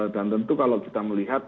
dan tentu kalau kita melihat